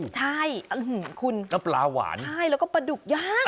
ใช่นะครับผลาหวานใช่แล้วก็ปลาดุกย้าง